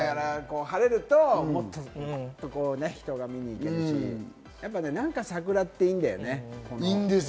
晴れるともっと人が見に行けるし、なんか桜っていいんだよね。